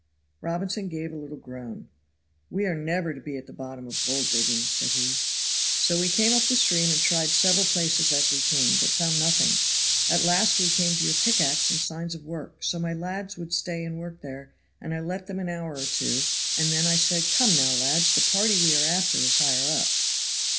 Robinson gave a little groan. "We are never to be at the bottom of gold digging," said he. "So we came up the stream and tried several places as we came, but found nothing; at last we came to your pickax and signs of work, so my lads would stay and work there, and I let them an hour or two, and then I said, 'Come now, lads, the party we are after is higher up.'"